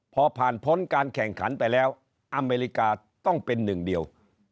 พอผ่านพ้นการแข่งขันไปแล้วอเมริกาต้องเป็นหนึ่งเดียว